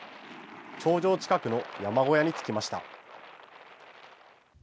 頂上近くの山小屋に着きました。